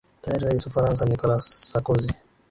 tayari rais ufaransa nicholas sarkozy